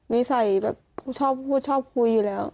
นิสัยแบบชอบพูดชอบคุยอยู่แล้ว